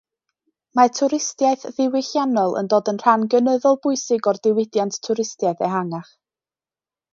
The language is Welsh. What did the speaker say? Mae twristiaeth ddiwylliannol yn dod yn rhan gynyddol bwysig o'r diwydiant twristiaeth ehangach.